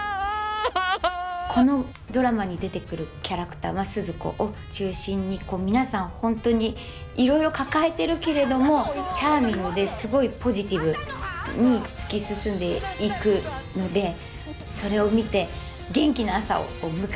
このドラマに出てくるキャラクタースズ子を中心にこう皆さん本当にいろいろ抱えてるけれどもチャーミングですごいポジティブに突き進んでいくのでそれを見て元気な朝を迎えてほしいなと思います。